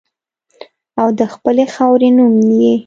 او د خپلې خاورې نوم یې